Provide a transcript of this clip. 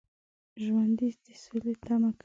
ژوندي د سولې تمه کوي